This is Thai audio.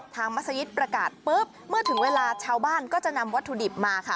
มัศยิตประกาศปุ๊บเมื่อถึงเวลาชาวบ้านก็จะนำวัตถุดิบมาค่ะ